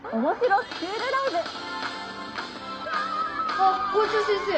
あっ校長先生。